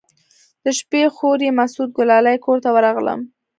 د شپې خوريي مسعود ګلالي کور ته ورغلم.